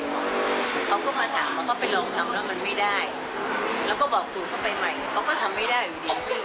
เขาก็มาถามเขาก็ไปลองทำแล้วมันไม่ได้